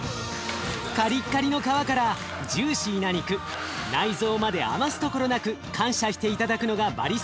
カリッカリの皮からジューシーな肉内臓まで余すところなく感謝して頂くのがバリスタイル。